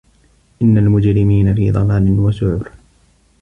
إِنَّ المُجرِمينَ في ضَلالٍ وَسُعُرٍ